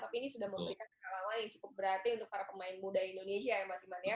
tapi ini sudah memberikan pengalaman yang cukup berarti untuk para pemain muda indonesia ya mas iman ya